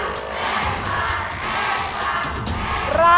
เทพภาคเทพภาคเทพภาค